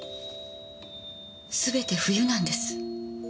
全て冬なんです。